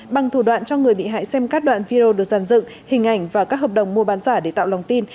bằng thủ đoạn cho người bị hại xem các đoạn video được giàn dựng hình ảnh và các hợp đồng mua bán giả để tạo lòng tin